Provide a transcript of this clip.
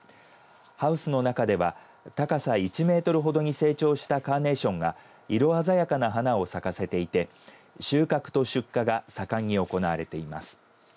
ハウスの中では高さ１メートルほどに成長したカーネーションが色鮮やかな花を咲かせていて収穫と出荷が盛んに行われています。